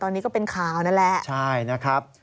ตอนนี้ก็เป็นข่าวนั่นแหละใช่นะครับ